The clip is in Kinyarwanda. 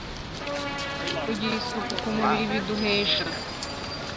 kugira isuku ku mubiri biduhesha